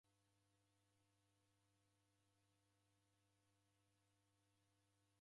Nighorie ilagho ja lukundo lwa Mlungu.